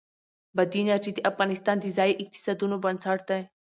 بادي انرژي د افغانستان د ځایي اقتصادونو بنسټ دی.